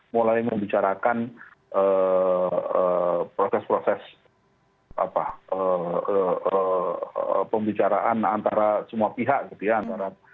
mulai membicarakan proses proses pembicaraan antara semua pihak gitu ya